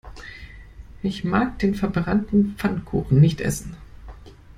Ich mag den verbrannten Pfannkuchen nicht essen.